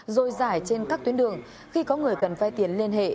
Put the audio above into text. rồi giải trên các tuyến đường khi có người cần vay tiền liên hệ